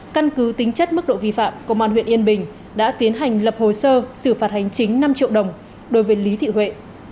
căn cứ tính chất mức độ vi phạm công an huyện yên bình đã tiến hành lập hồ sơ xử phạt hành chính năm triệu đồng đối với lý thị huệ